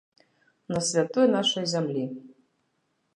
На святой нашай зямлі.